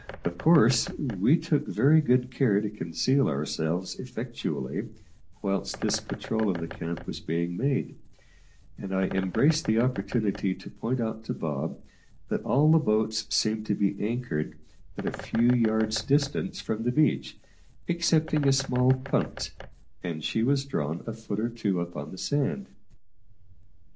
Of course we took very good care to conceal ourselves effectually whilst this patrol of the camp was being made, and I embraced the opportunity to point out to Bob that all the boats seemed to be anchored at a few yards' distance from the beach, excepting a small punt, and she was drawn a foot or two up on the sand.